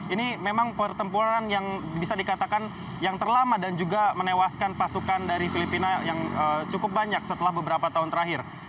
ini memang pertempuran yang bisa dikatakan yang terlama dan juga menewaskan pasukan dari filipina yang cukup banyak setelah beberapa tahun terakhir